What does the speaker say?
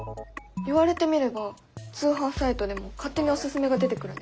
言われてみれば通販サイトでも勝手におススメが出てくるね。